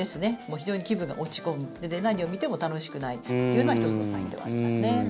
非常に気分が落ち込む何を見ても楽しくないというのは１つのサインではありますね。